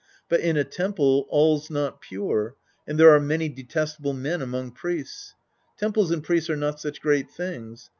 But in a temple all's not pure, and there are many detesta ble men among priests. Temples and priests are not such great things.